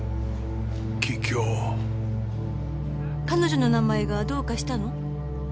彼女の名前がどうかしたの？